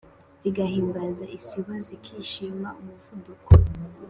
zigahimbaza isibo: zikishima umuvuduko